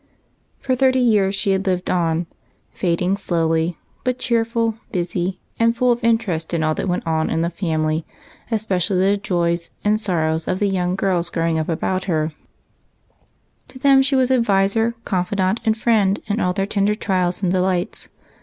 For thirty years she had lived on, fading slowly, but cheerful, busy, and full of interest in all that went on in the family ; especially the joys and sorrows of the young girls growing up about her, and to them she was adviser, confidante, and friend in all their tender trials and delights.